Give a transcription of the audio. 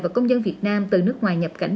và công dân việt nam từ nước ngoài nhập cảnh